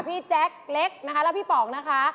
พี่แจ๊คเล็กแล้วพี่ป๋องนะคะ